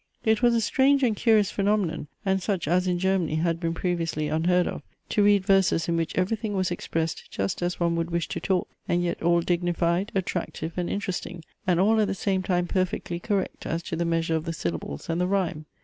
It was a strange and curious phaenomenon, and such as in Germany had been previously unheard of, to read verses in which everything was expressed just as one would wish to talk, and yet all dignified, attractive, and interesting; and all at the same time perfectly correct as to the measure of the syllables and the rhyme.